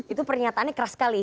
itu pernyataannya keras sekali